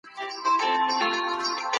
لوستې مور د ماشومانو د پوستکي روغتيا ساتي.